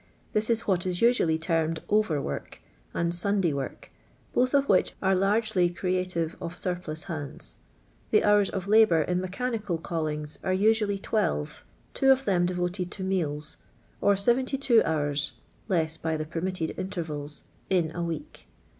This is what is usually termed over work and Sunday work, both of which are largely creative of surplus hands. The hours of labour in mechanical callings are usiuilly twelve, two of them devoted to meals, or 72 hours (less by the permitted intervals) in a week.